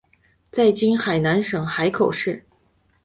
在今海南省海口市。